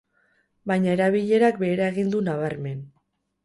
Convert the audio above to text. Baina erabilerak behera egin du nabarmen.